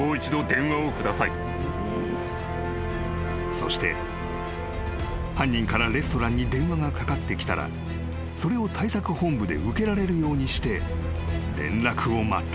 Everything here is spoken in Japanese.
［そして犯人からレストランに電話がかかってきたらそれを対策本部で受けられるようにして連絡を待った］